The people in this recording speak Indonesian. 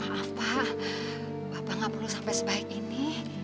maaf pak papa gak perlu sampai sebaik ini